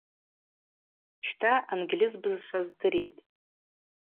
Щта, ангьльыз бызшва здыритӏ.